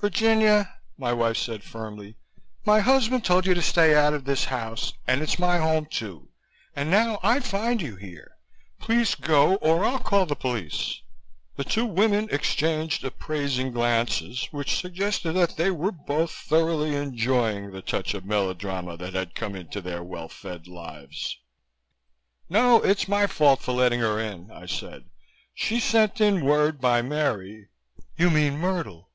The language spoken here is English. "Virginia," my wife said firmly, "my husband told you to stay out of this house and it's my home, too and now I find you here. Please go or I'll call the police." The two women exchanged appraising glances which suggested that they were both thoroughly enjoying the touch of melodrama that had come into their well fed lives. "No, it's my fault for letting her in," I said. "She sent in word by Mary " "You mean Myrtle."